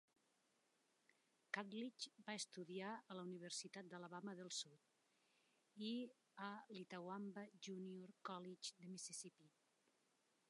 Catledge va estudiar a la Universitat d'Alabama del Sud i a l'Itawamba Junior College de Mississippi.